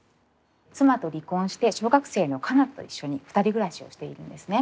妻と離婚して小学生の夏菜と一緒に２人暮らしをしているんですね。